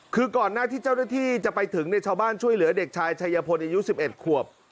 คือก่อนหน้าที่เจ้าหน้าที่จะไปถึงชาวบ้านช่วยเหลือเด็กชายชัยพลอายุ๑๑ขวบ